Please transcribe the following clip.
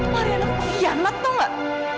mariana tuh pengkhianat tau gak